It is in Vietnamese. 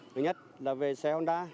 thứ nhất là về xe hôn đá